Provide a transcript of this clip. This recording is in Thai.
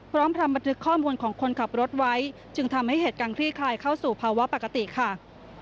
พร้อมทำบันทึกข้อมูลของคนขับรถไว้จึงทำให้เหตุการณ์คลี่คลายเข้าสู่ภาวะปกติค่ะ